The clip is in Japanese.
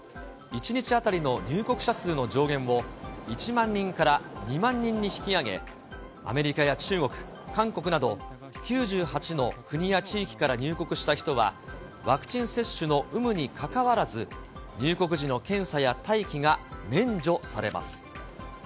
１日当たりの入国者数の上限を１万人から２万人に引き上げ、アメリカや中国、韓国など、９８の国や地域から入国した人は、ワクチン接種の有無にかかわらず、入国時の検査や待機が免除されます。